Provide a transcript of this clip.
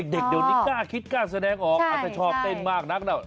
เด็กเดี๋ยวนี้กล้าคิดกล้าแสดงออกถ้าชอบเต้นมากนักนะ